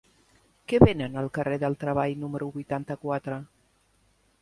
Què venen al carrer del Treball número vuitanta-quatre?